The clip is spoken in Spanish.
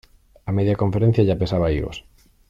A media conferencia ya pesaba higos.